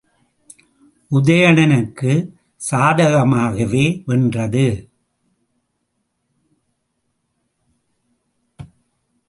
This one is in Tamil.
உதயணனுக்குச் சாதகமாகவே வென்றது.